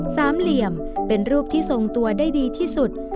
เหลี่ยมเป็นรูปที่ทรงตัวได้ดีที่สุด